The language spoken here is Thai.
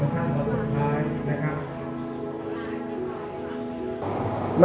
ลูกค้าที่สุดท้ายนะครับ